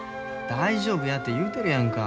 大丈夫やて言うてるやんか。